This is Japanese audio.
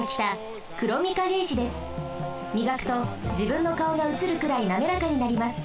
みがくとじぶんのかおがうつるくらいなめらかになります。